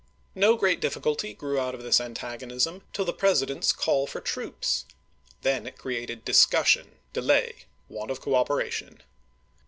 No great difficulty grew out of this antagonism till the President's call for troops ; then it created discussion, delay, want of coopera tion.